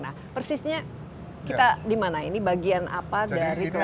nah persisnya kita dimana ini bagian apa dari klenteng